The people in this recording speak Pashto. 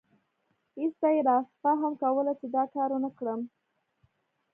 ایسته یې رافهم کوله چې دا کار ونکړم.